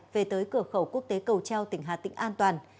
về tới cửa khẩu quốc tế cầu treo tỉnh hà tĩnh an toàn